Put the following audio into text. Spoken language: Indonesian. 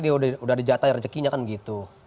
dia udah ada jatah rezekinya kan gitu